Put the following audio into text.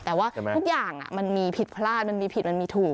แต่ว่าทุกอย่างมันมีผิดพลาดมันมีผิดมันมีถูก